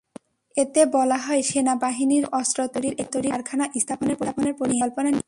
এতে বলা হয়, সেনাবাহিনী রাসায়নিক অস্ত্র তৈরির একটি কারখানা স্থাপনের পরিকল্পনা নিয়েছে।